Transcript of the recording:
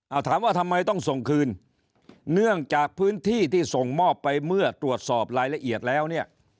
เอาถามว่าทำไมต้องส่งคืนเนื่องจากพื้นที่ที่ส่งมอบไปเมื่อตรวจสอบรายละเอียดแล้วเนี่ย